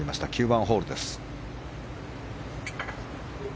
９番ホールです。